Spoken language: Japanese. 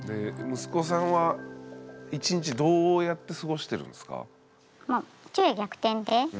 息子さんは１日どうやって過ごしてるんですか？